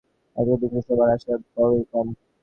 এজন্য বিক্রী হবার আশা বড়ই কম।